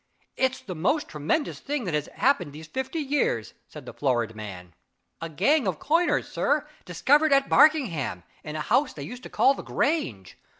"It's the most tremendous thing that has happened these fifty years," said the florid man. "A gang of coiners, sir, discovered at Barkingham in a house they used to call the Grange.